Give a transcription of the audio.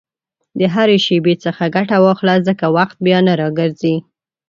د هرې شېبې څخه ګټه واخله، ځکه وخت بیا نه راګرځي.